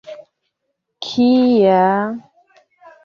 Kia...